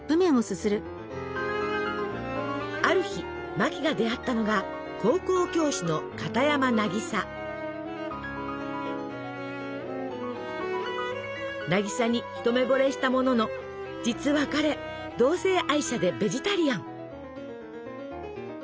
ある日マキが出会ったのが渚に一目ぼれしたものの実は彼同性愛者でベジタリアン。